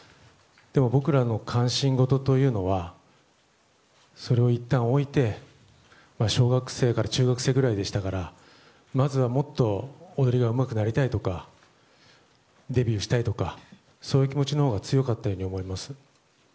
僕らの関心ごとというのはそれをいったん置いて小学生から中学生くらいでしたからまずはもっと踊りがうまくなりたいとかデビューしたいとかそういう気持ちのほうが強かったように思います。